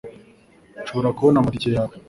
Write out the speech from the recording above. Nshobora kubona amatike yawe